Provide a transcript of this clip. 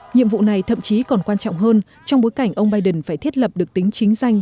nhiệm vụ này thậm chí còn quan trọng hơn trong bối cảnh ông biden phải thiết lập được tính chính danh